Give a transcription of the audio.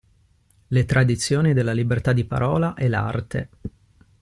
Le tradizioni della libertà di parola e l‘arte.